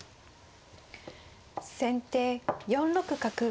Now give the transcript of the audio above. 先手４六角。